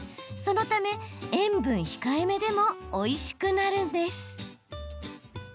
そのため、塩分控えめでもおいしくなるんです。